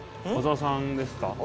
小澤さんですか？